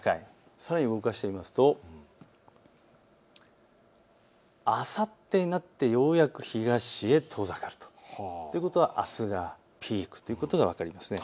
さらに動かすとあさってになってようやく東へ遠ざかるということはあすがピークということが分かりますね。